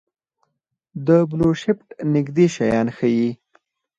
د بلوشفټ نږدې شیان ښيي.